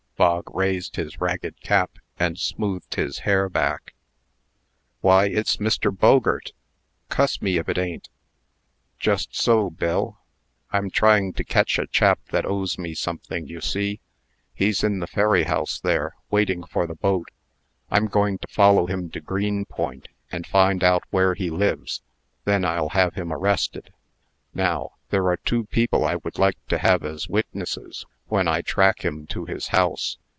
Bog raised his ragged cap, and smoothed his hair back. "Why, it's Mr. Bogert. Cuss me if it a'n't!" "Just so, Bill. I'm trying to catch a chap that owes me something, you see. He's in the ferry house there, waiting for the boat. I'm going to follow him to Greenpoint, and find out where he lives. Then I'll have him arrested. Now, there are two people I would like to have as witnesses, when I track him to his house.